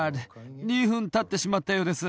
２分たってしまったようです